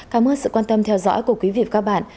cảm ơn sự quan tâm theo dõi của quý vị và các bạn